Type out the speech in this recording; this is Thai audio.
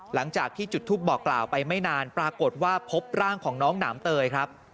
หลังจากที่จุดทูปบอกกล่าวไปไม่นานปรากฏว่าพบร่างของน้องหนามเตยครับ